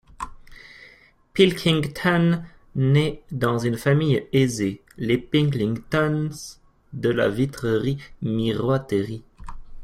Pilkington naît dans une famille aisée, les Pilkingtons de la vitrerie-miroiterie.